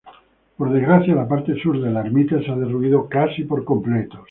Por desgracia, la parte sur de la ermita se ha derruido casi por completo.